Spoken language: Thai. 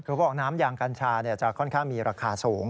คือเขาบอกน้ำยางกัญชาจะค่อนข้างมีราคาสูง